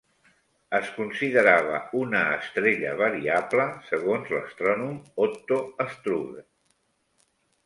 Es considerava una estrella variable segons l'astrònom Otto Struve.